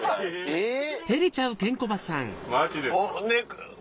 えっ？